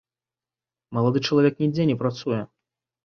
Малады чалавек нідзе не працуе.